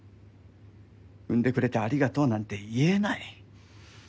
産んでくれてありがとうなんて言えない。